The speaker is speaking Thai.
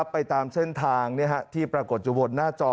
ไปตามเส้นทางที่ปรากฏอยู่บนหน้าจอ